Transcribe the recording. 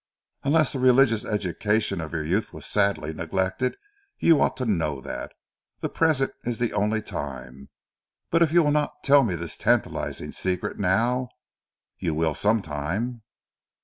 Unless the religious education of your youth was sadly neglected you ought to know that. The present is the only time. But if you will not tell me this tantalizing secret now, you will some time?"